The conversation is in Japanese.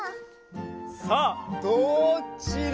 さあどっちだ？